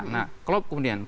nah kalau kemudian